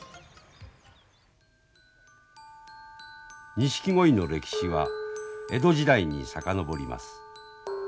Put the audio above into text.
ニシキゴイの歴史は江戸時代に遡ります。